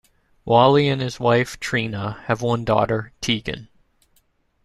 Wahle and his wife, Trina, have one daughter, Teagan.